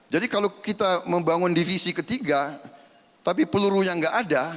jadi kalau kita membangun divisi ketiga tapi pelurunya nggak ada